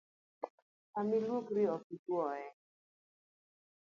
Kama iluokri ok ituoye